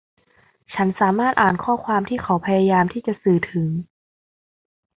ฉันสามารถอ่านข้อความที่เขาพยายามที่จะสื่อถึง